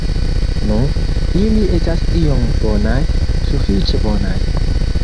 Nu, ili estas iom bonaj, sufiĉe bonaj.